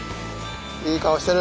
いい顔してる。